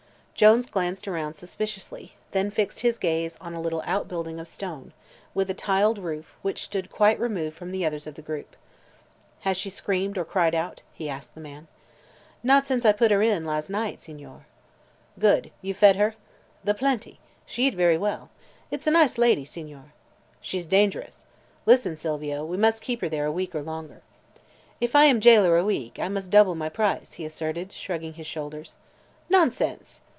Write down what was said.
Jones glanced around suspiciously, then fixed his gaze on a little outbuilding of stone, with a tiled roof, which stood quite removed from the others of the group. "Has she screamed, or cried out?" he asked the man. "Not since I put her in, las' night, Signore." "Good. You've fed her?" "The plenty. She eat very well. It's a nice lady, Signore." "She's dangerous. Listen, Silvio: we must keep her there a week longer." "If I am jailer a week, I mus' double my price," he asserted, shrugging his shoulders. "Nonsense!"